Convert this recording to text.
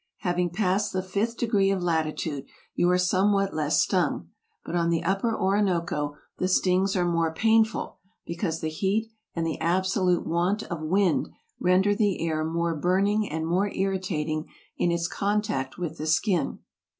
Having passed the fifth de gree of latitude you are somewhat less stung ; but on the upper Orinoco the stings are more painful, because the heat and the absolute want of wind render the air more burn ing and more irritating in its contact with the skin.